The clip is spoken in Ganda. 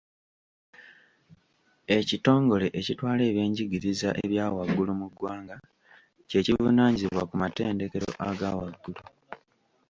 Ekitongole ekitwala ebyenjigiriza ebyawaggulu mu ggwanga kye kivunaanyizibwa ku matendekero aga waggulu.